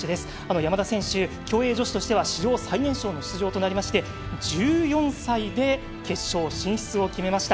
山田選手、競泳女子としては史上最年少の出場となりまして１４歳で決勝進出を決めました。